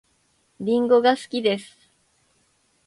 りんごが好きです